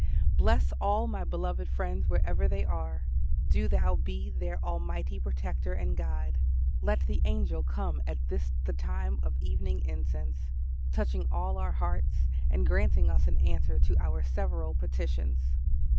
Bless all my beloved friends wherever they are; do Thou be their Almighty Protector and Guide. Let the angel come at this the time of evening incense, touching all our hearts, and granting us an answer to our several petitions.